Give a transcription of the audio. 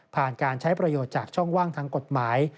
การใช้ประโยชน์จากช่องว่างทางกฎหมาย